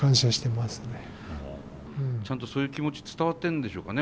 ちゃんとそういう気持ち伝わってるんでしょうかね